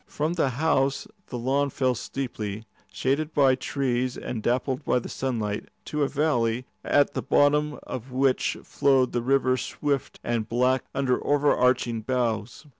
From the house the lawns fell steeply, shaded by trees and dappled by the sunlight, to a valley, at the bottom of which flowed the river swift and black under overarching boughs.